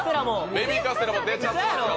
ベビーカステラも出ちゃってますよ。